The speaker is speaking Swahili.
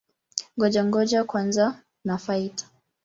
Ngoja-ngoja kwanza na-fight!